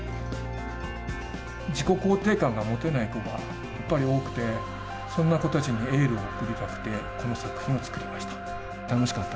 自己肯定感が持てない子がやっぱり多くて、そんな子たちにエールを送りたくて、この作品を作りました。